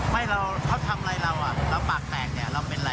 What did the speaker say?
ไม่เราเขาทำอะไรเราเราปากแตกเนี่ยเราเป็นอะไร